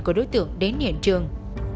của đối tượng đến nhện trường